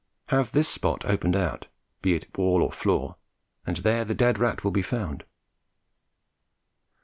Have this spot opened out, be it wall or floor, and there the dead rat will be found.